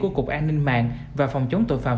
của cục an ninh mạng và phòng chống tội phạm